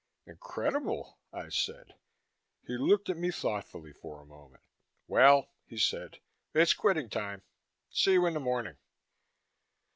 "Incredible!" I said. He looked at me thoughtfully for a moment. "Well," he said, "it's quitting time. See you in the morning."